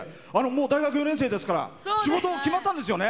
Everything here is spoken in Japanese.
大学４年生ですから仕事決まったんですよね？